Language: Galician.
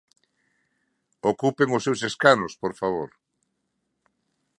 Ocupen os seus escanos, por favor.